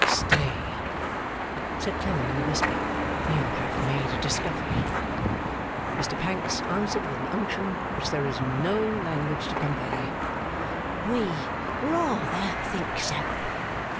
'Stay!' said Clennam in a whisper.'You have made a discovery.' Mr Pancks answered, with an unction which there is no language to convey, 'We rather think so.